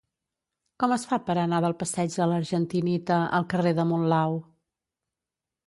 Com es fa per anar del passeig de l'Argentinita al carrer de Monlau?